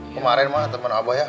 kemarin pak temen abah ya